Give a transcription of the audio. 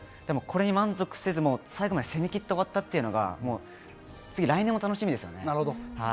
これに満足せず、最後まで攻めきって終わったというのが来年も楽しみですよね。